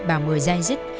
bà mười dai dứt